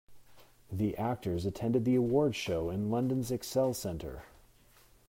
The actors attended the award show in London's excel centre.